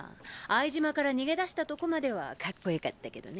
相島から逃げ出したとこまではカッコ良かったけどね。